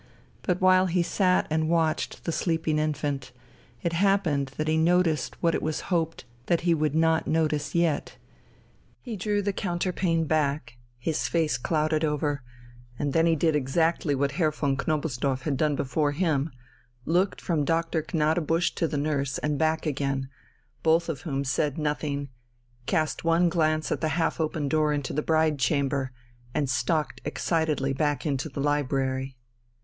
But while he sat and watched the sleeping infant it happened that he noticed what it was hoped that he would not notice yet. He drew the counterpane back, his face clouded over, and then he did exactly what Herr von Knobelsdorff had done before him, looked from Doctor Gnadebusch to the nurse and back again, both of whom said nothing, cast one glance at the half open door into the bride chamber, and stalked excitedly back into the library.